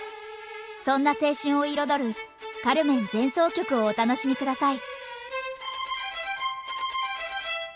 そんな青春を彩る「カルメン」前奏曲をお楽しみ下さい。